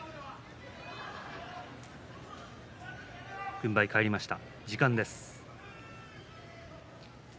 軍配が返りました。